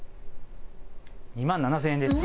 ２万７０００円です。